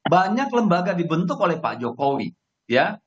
banyak lembaga dibentuk oleh pak jokowi ya